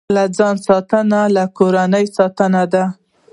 له ځان ساتنه، له کورنۍ ساتنه ده.